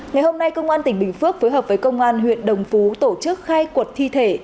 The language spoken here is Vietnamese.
ngày hôm nay công an tỉnh bình phước phối hợp với công an huyện đồng phú tổ chức khai quật thi thể